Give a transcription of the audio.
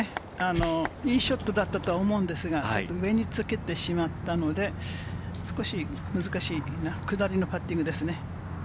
いいショットだったと思うんですが、上につけてしまったので、少し難しい、下りのパッティングですね。